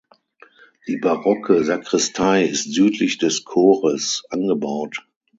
Die barocke Sakristei ist südlich des Chores angebaut.